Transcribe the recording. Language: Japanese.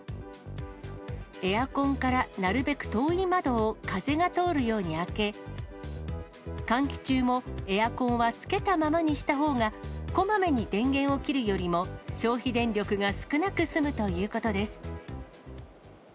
エアコンからなるべく遠い窓を風が通るように開け、換気中もエアコンはつけたままにしたほうが、こまめに電源を切るよりも消費電力が少なく済むということです。